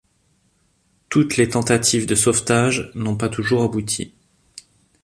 Toutes les tentatives de sauvetage n'ont pas toujours abouti.